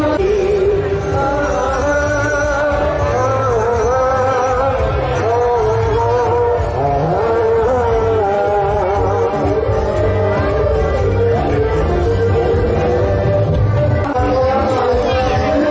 อันนี้เป็นชาติภาพภาพภาค